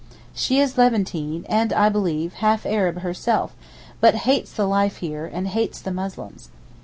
She is Levantine, and, I believe, half Arab herself, but hates the life here, and hates the Muslims.